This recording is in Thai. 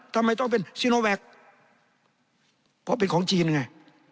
ทำไมต้องเป็นซีโนแวคเพราะเป็นของจีนไง